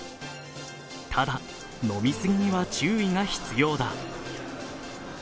ただ、飲み過ぎには注意が必要だ。